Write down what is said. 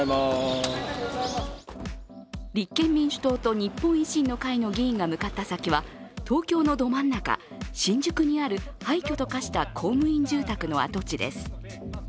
立憲民主党と日本維新の会の議員が向かった先は東京のど真ん中、新宿にある廃虚と化した公務員住宅の跡地です。